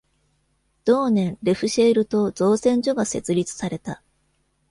同年、レフシェール島造船所が設立された。